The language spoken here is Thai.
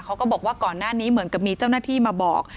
เขาก็บอกว่าก่อนหน้านี้เหมือนกับมีเจ้าหน้าที่มาบอก